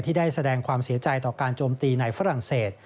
ได้แสดงความเสียใจต่อการโจมตีในฝรั่งเศส